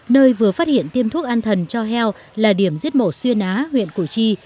nơi vừa phát hiện tiêm thuốc an thần cho heo là điểm giết mổ xuyên á huyện củ chi